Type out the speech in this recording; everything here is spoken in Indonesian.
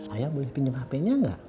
ayah boleh pinjam hp nya nggak